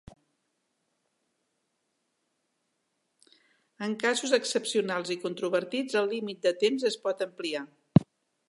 En casos excepcionals i controvertits, el límit de temps es pot ampliar.